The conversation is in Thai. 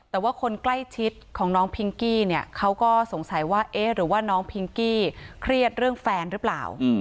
แต่ว่าคนใกล้ชิดของน้องพิงกี้เนี่ยเขาก็สงสัยว่าเอ๊ะหรือว่าน้องพิงกี้เครียดเรื่องแฟนหรือเปล่า